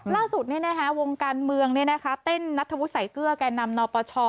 ล่าสุดวงการเมืองเต้นนัทธวุสัยเกลือแก่นำนปช